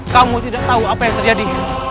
kamu tidak tahu apa yang terjadi